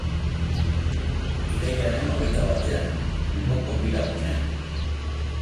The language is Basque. Irailaren hogeita batean, Bilboko Bira gunean.